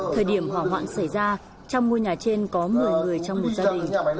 thời điểm hỏa hoạn xảy ra trong ngôi nhà trên có một mươi người trong một gia đình